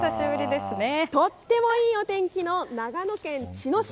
とってもいいお天気の長野県茅野市。